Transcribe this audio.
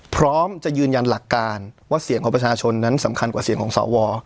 พร้อมจะยืนยันหลักการว่าเสียงของประชาชนนั้นสำคัญกว่าเสียงของสว